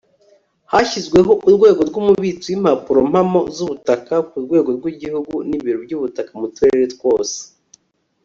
hashyizweho urwego rw'umubitsi w'impapurompamo z'ubutaka ku rwego rw'igihugu n'ibiro by'ubutaka mu turere twose